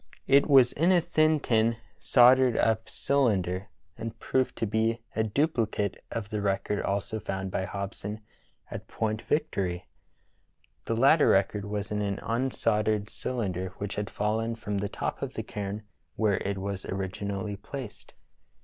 It was in a thin tin soldered up cylinder, and proved to be a dupli cate of the record also found by Hobson at Point Vic tory. The latter record was in an unsoldered cylinder which had fallen from the top of the cairn where it was originally placed.